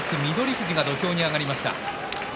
富士が土俵に上がりました。